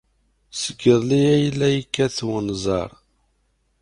Seg yiḍelli ay la yekkat wenẓar.